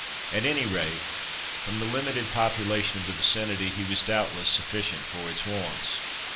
At any rate, from the limited population of the vicinity, he was doubtless sufficient for its wants.